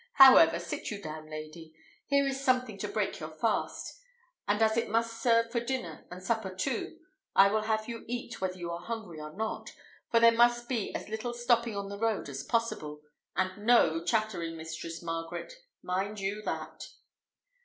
However, sit you down, lady: here is something to break your fast; and as it must serve for dinner and supper too, I will have you eat, whether you are hungry or not; for there must be as little stopping on the road as possible, and no chattering, Mistress Margaret; mind you that."